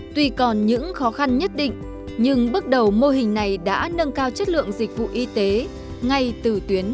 tuy còn những khó khăn nhất định nhưng bước đầu mô hình này đã nâng cao chất lượng dịch vụ y tế ngay từ tuyến